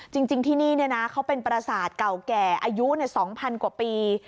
จริงที่นี่เขาเป็นประสาทเก่าแก่อายุ๒๐๐กว่าปี